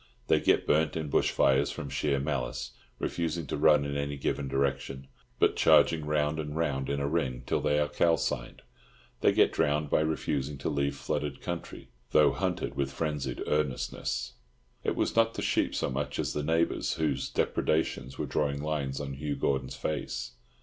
They get burnt in bush fires from sheer malice, refusing to run in any given direction, but charging round and round in a ring till they are calcined. They get drowned by refusing to leave flooded country, though hunted with frenzied earnestness. It was not the sheep so much as the neighbours whose depredations were drawing lines on Hugh Gordon's face.